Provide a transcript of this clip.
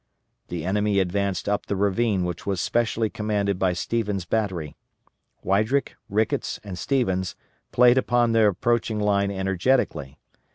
The enemy advanced up the ravine which was specially commanded by Stevens' battery. Weidrick, Ricketts, and Stevens played upon the approaching line energetically.